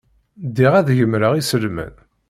Ddiɣ ad gemreɣ iselman.